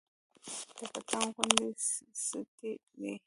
د پتنګ غوندې ستي دى